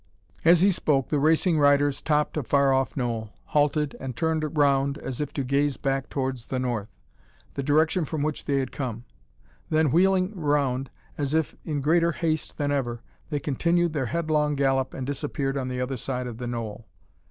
As he spoke, the racing riders topped a far off knoll; halted, and turned round as if to gaze back towards the north the direction from which they had come. Then, wheeling round as if in greater haste than ever, they continued their headlong gallop and disappeared on the other side of the knoll.